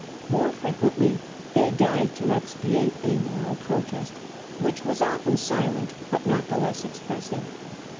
More frequently they died to expiate a moral protest, which was often silent, but not the less expressive.